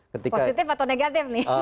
positif atau negatif nih